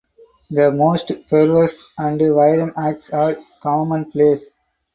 The most perverse and violent acts are commonplace.